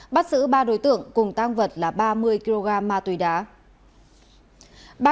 bắt giữ ba đối tượng cùng tang vật là ba mươi kg ma túy đá